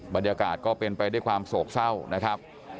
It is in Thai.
บรรยากาศก็เป็นไปด้วยความโสกเส้า